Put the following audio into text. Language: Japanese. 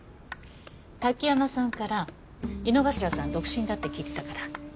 滝山さんから井之頭さん独身だって聞いてたから。